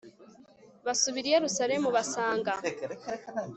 basubira i Yerusalemu basanga